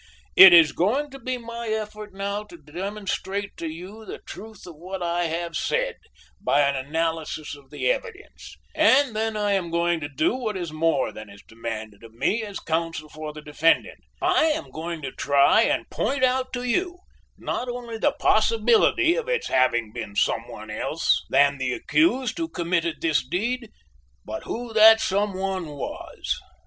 "It is going to be my effort now to demonstrate to you the truth of what I have said by an analysis of the evidence, and then I am going to do what is more than is demanded of me as counsel for the defendant, I am going to try and point out to you not only the possibility of its having been some one else than the accused who committed this deed, but who that some one was."